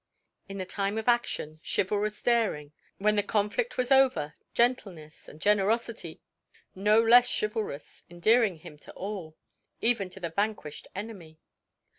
In the time of action, chivalrous daring; when the conflict was over, gentleness and generosity no less chivalrous, endearing him to all even to the vanquished enemy.